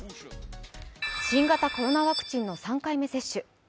新型コロナワクチンの３回目接種。